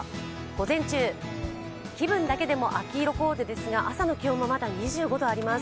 午前中、気分だけでも秋色コーデですが朝の気温もまだ２５度あります。